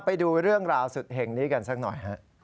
ไปดูเรื่องราวสุดเห็งนี้กันสักหน่อยฮะ